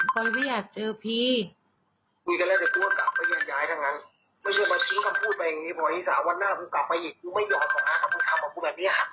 พลอยไม่อยากเจอพี่คุยกันแล้วเดี๋ยวก็กลับไปยังย้ายทั้งนั้น